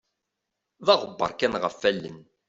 D aɣebbaṛ kan ɣef allen.